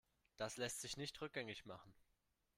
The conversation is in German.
Das lässt sich nicht rückgängig machen.